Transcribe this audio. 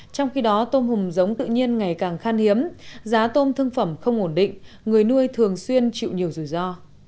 trong khi đó tôm hùm giống tự nhiên ngày càng khan hiếm giá tôm thương phẩm không ổn định người nuôi thường xuyên chịu nhiều rủi ro